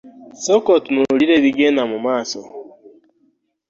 Sooka otunuulire ebigenda mu maaso.